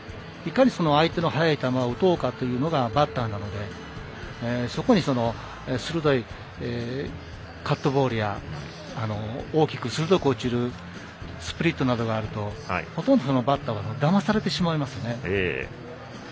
いかに相手の速い球を打とうかというのがバッターなのでそこに鋭いカットボールや大きく鋭く落ちるスプリットなどがあるとほとんど、バッターはだまされてしまいますね。